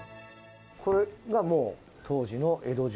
これがもう当時の江戸城？